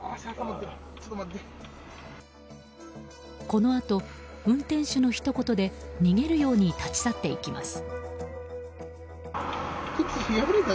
このあと運転手のひと言で逃げるように立ち去っていきます。